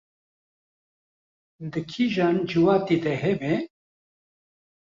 di kîjan ciwatê de hebe